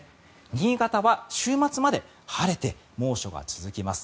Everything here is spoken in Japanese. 新潟は週末まで晴れて猛暑が続きます。